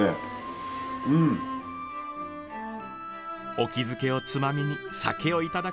沖漬けをつまみに酒をいただく。